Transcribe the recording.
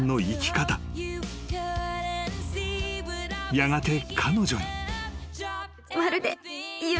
［やがて彼女に］